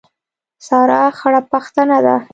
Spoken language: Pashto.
سارا خړه پښتنه ده.